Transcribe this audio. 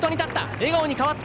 笑顔に変わった！